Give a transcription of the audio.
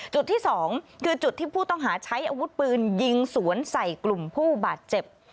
จุดที่๒คือจุดที่ผู้ต้องหาใช้อาวุธปืนยิงสวนใส่กลุ่มผู้บาดเจ็บ